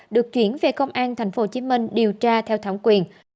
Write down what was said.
được chuyển về công an tp hcm điều tra theo thẩm quyền